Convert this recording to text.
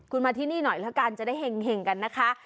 คุณมาที่นี่หน่อยแล้วกันจะได้เห็งกันนะคะ